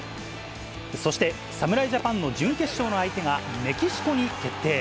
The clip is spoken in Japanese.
そして、侍ジャパンの準決勝の相手がメキシコに決定。